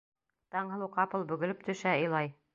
Таңһылыу ҡапыл бөгөлөп төшә, илай.